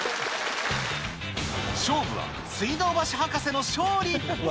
勝負は水道橋博士の勝利。